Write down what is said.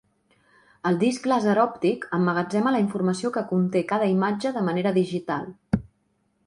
El disc làser òptic emmagatzema la informació que conté cada imatge de manera digital.